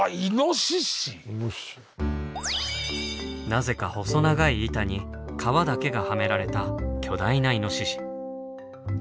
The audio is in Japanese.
なぜか細長い板に皮だけがはめられた巨大なイノシシ。